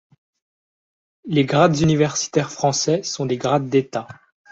Les grades universitaires français sont des grades d'État.